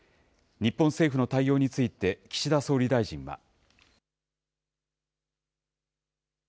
日本政府の対応について、岸田総理大臣は。